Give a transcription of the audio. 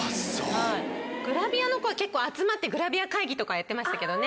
グラビアの子は結構集まってグラビア会議とかやってましたけどね。